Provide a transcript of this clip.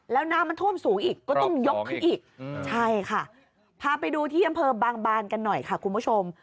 แล้วน้ำมันท่วมสูงอีกก็ต้องยกขึ้นอีกใช่ค่ะพาไปดูที่อำเภอบางบานกันหน่อยค่ะคุณผู้ชม